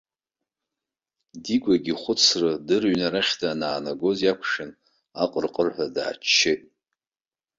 Дигәагьы ихәыцра дырҩны арахь данаанагоз иақәшәан, аҟырҟырҳәа дааччеит.